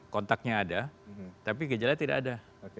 kontaknya ada tapi gejala tidak ada